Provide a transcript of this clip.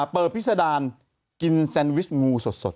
เปิดพิสดารกินแซนวิชงูสด